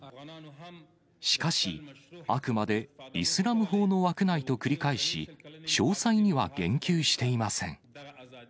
しかし、あくまでイスラム法の枠内と繰り返し、詳細には言及していません。